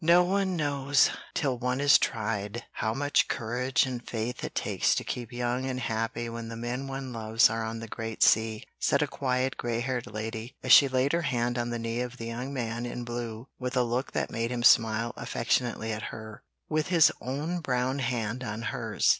No one knows till one is tried, how much courage and faith it takes to keep young and happy when the men one loves are on the great sea," said a quiet, gray haired lady, as she laid her hand on the knee of the young man in blue with a look that made him smile affectionately at her, with his own brown hand on hers.